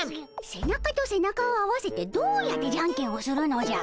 背中と背中を合わせてどうやってじゃんけんをするのじゃ。